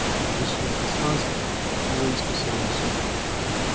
And this slope is constant always the same slope.